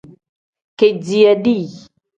Kediiya dii.